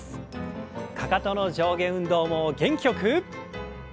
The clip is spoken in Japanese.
かかとの上下運動を元気よく。